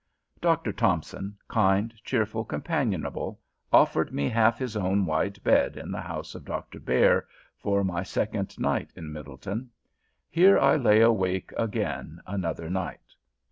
Dr. Thompson, kind, cheerful, companionable, offered me half his own wide bed, in the house of Dr. Baer, for my second night in Middletown. Here I lay awake again another night.